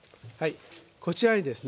こちらにですね